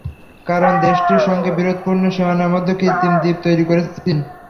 কারণ, দেশটির সঙ্গে বিরোধপূর্ণ সীমানার মধ্যে কৃত্রিম দ্বীপ তৈরি করছে চীন।